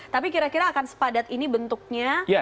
tapi kira kira akan sepadat ini bentuknya